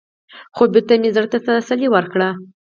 خـو بـېرته مـې زړه تـه تـسلا ورکړه.